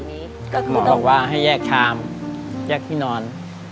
หมอบอกว่าให้แยกชามแยกที่นอน